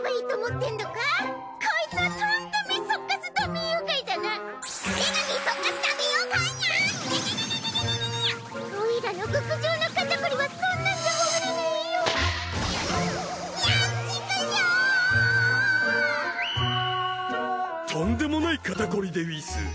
とんでもない肩こりでうぃす。